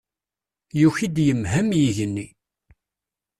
Yuki-d yemhem yigenni.